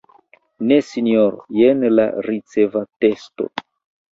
Ne Sinjoro, jen la ricevatesto.